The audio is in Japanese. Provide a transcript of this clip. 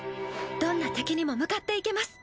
どんな敵にも向かっていけます。